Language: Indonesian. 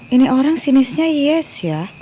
ini orang sinisnya yes ya